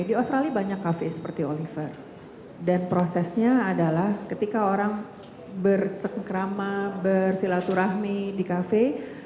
di australia banyak kafe seperti oliver dan prosesnya adalah ketika orang bercengkrama bersilaturahmi di kafe